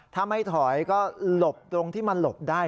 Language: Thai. ถ้าไม่ถอยก็หลบตรงที่มันหลบได้